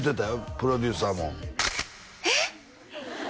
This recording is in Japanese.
プロデューサーもえっ！？